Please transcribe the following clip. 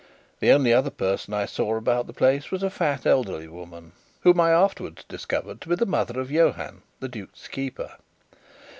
The only other person I saw about the place was a fat elderly woman, whom I afterwards discovered to be the mother of Johann, the duke's keeper.